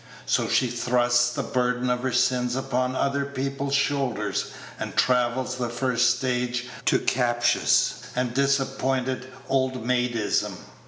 So she thrusts the burden of her sins upon other people's shoulders, and travels the first stage to captious and disappointed old maidism.